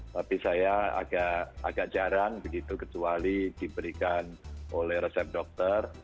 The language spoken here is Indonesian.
tapi saya agak jarang begitu kecuali diberikan oleh resep dokter